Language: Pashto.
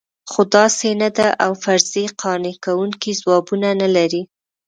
خو داسې نه ده او فرضیې قانع کوونکي ځوابونه نه لري.